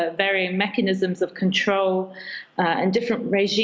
diberi mekanisme untuk mengawasi dan mengawasi